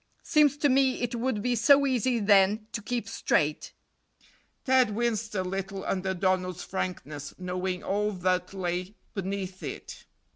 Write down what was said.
Seems to me it would be so easy then to keep straight." Ted winced a little under Donald's frankness, knowing all that lay beneath it.